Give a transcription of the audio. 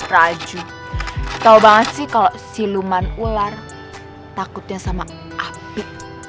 raju tau banget sih kalo siluman ular takutnya sama api